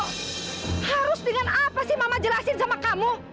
harus dengan apa sih mama jelasin sama kamu